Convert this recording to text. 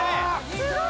すごい！